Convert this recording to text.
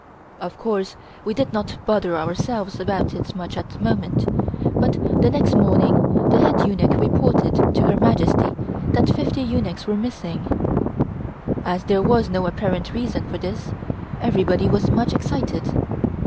Of course we did not bother ourselves about it much at the moment, but the next morning the head eunuch reported to Her Majesty that fifty eunuchs were missing. As there was no apparent reason for this, everybody was much excited.